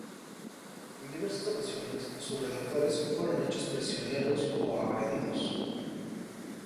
En diversas ocasiones sus redactores fueron hechos prisioneros o agredidos.